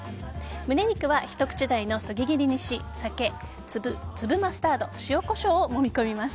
胸肉は、ひと口大のそぎ切りにし酒、粒マスタード塩、コショウをもみ込みます。